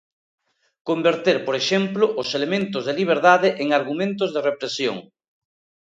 Converter, por exemplo, os elementos de liberdade en argumentos de represión.